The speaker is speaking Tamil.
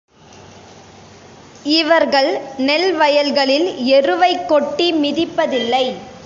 இவர்கள் நெல் வயல்களில் எருவைக் கொட்டி மிதிப்பதில்லை.